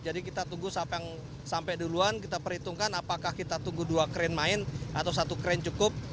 jadi kita tunggu sampai duluan kita perhitungkan apakah kita tunggu dua krain main atau satu krain cukup